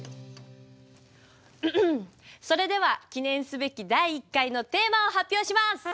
それでは記念すべき第１回のテーマを発表します！